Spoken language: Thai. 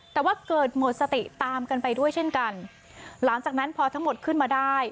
แต่ว่าเกิดหมดสติตามกันไปด้วยเช่นกันหลังจากนั้นพอทั้งหมดขึ้นมาได้